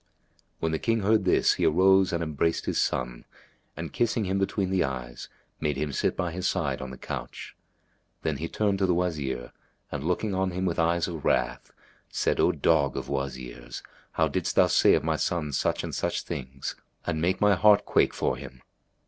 ''[FN#274] When the King heard this, he arose and embraced his son, and kissing him between the eyes, made him sit by his side on the couch; then he turned to the Wazir, and, looking on him with eyes of wrath, said, "O dog of Wazirs, how didst thou say of my son such and such things and make my heart quake for him?"